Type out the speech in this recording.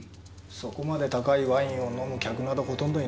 そこまで高いワインを飲む客などほとんどいないという事ですよ。